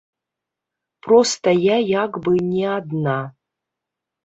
Проста я як бы не адна.